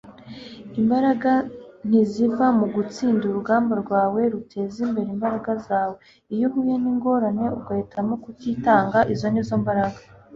imbaraga ntiziva mu gutsinda. urugamba rwawe rutezimbere imbaraga zawe. iyo uhuye n'ingorane ugahitamo kutitanga, izo ni zo mbaraga